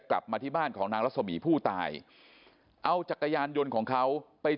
กลับมาที่บ้านของนางรัศมีผู้ตายเอาจักรยานยนต์ของเขาไป